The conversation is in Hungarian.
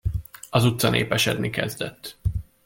Az utca népesedni kezdett.